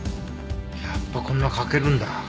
やっぱこんなかけるんだ。